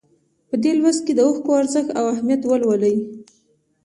په دې لوست کې د اوښکو ارزښت او اهمیت ولولئ.